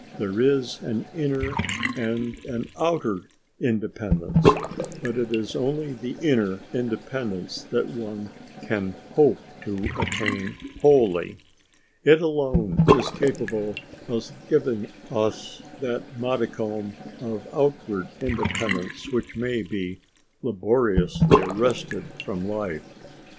There is an inner and an outer independence. But it is only the inner independence that one can hope to attain wholly. It alone is capable of giving us that modicum of outward independence which may be laboriously wrested from life.